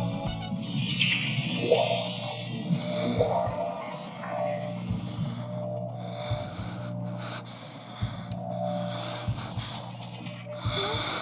aku akan mencari